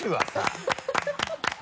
ハハハ